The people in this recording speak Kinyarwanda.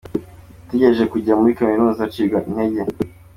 Yatekereje kujya muri kaminuza acibwa intege.